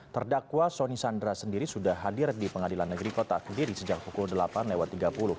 terdakwa soni sandra sendiri sudah hadir di pengadilan negeri kota kediri sejak pukul delapan lewat tiga puluh